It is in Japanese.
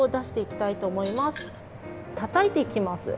たたいていきます。